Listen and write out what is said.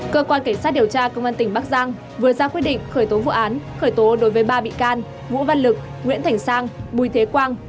cơ quan cảnh sát điều tra công an tỉnh bắc giang vừa ra quyết định khởi tố vụ án khởi tố đối với ba bị can vũ văn lực nguyễn thành sang bùi thế quang